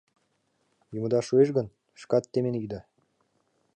Йӱмыда шуэш гын, шкат темен йӱыда.